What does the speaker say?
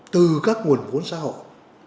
từ các nguồn vốn xã hội